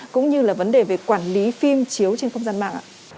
cũng như là vấn đề về quản lý phim chiếu trên không gian mạng